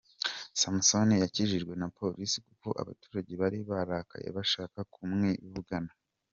Samson yakijijwe na polisi kuko abaturage bari barakaye bashaka kumwivugana.